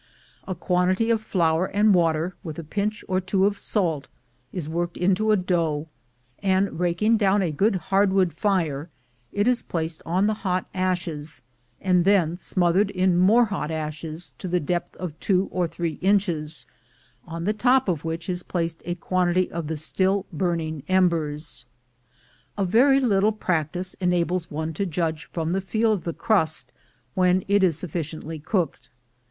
A quantity of flour and water, with a pinch or two of salt, is worked into a dough, and, raking down a good hardwood fire, it is placed on the hot ashes, and then smothered in more hot ashes to the depth of two or three inches, on the top of which is placed a quantity of the still burning embers. A very little practice enables one to judge from the feel of the crust when it is sufficiently cooked.